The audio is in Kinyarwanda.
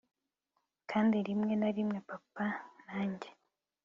kandi rimwe na rimwe papa na njye